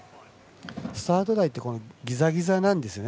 スタート台ってぎざぎざなんですよね。